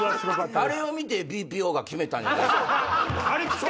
あれを見てＢＰＯが決めたんじゃないか。